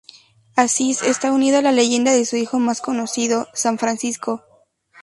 Asís está unida a la leyenda de su hijo más conocido, san Francisco.